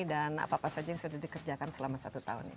dan apa saja yang sudah dikerjakan selama satu tahun